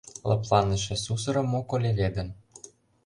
Лыпланыше сусырым Моко леведын.